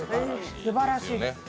すばらしい。